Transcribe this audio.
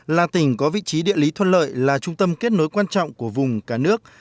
là tỉnh có vị trí địa lý thuận lợi là trung tâm kết nối quan trọng của vùng cả nước